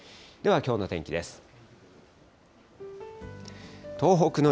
では、きょうの天気です。